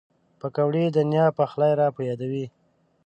پکورې د نیا پخلی را په یادوي